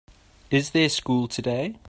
Is there school today?